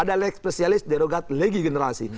ada yang berlaku spesialis derogat lagi generasi